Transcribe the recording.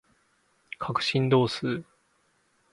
角振動数